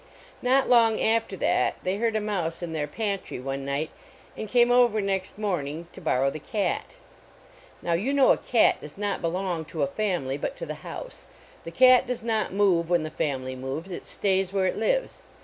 Not long after that they heard a mouse in their pantry one night and came over next morning to bor A NEIGHBORLY NEIGHBORHOOD row the cat. Now, you know a cat does not belong to a family, but to the house. The cat does not move when the family moves; it stays where it lives.